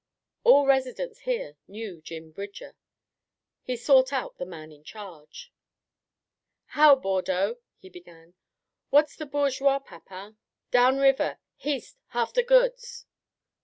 All residents here knew Jim Bridger. He sought out the man in charge. "How, Bordeaux?" he began. "Whar's the bourgeois, Papin?" "Down river h'east h'after goods."